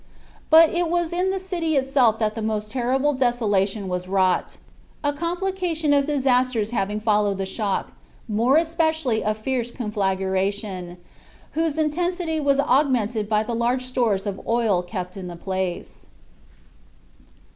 But it was in the city itself that the most terrible desolation was wrought a complication of disasters having followed the shock, more especially a fierce conflagration, whose intensity was augmented by the large stores of oil kept in the place.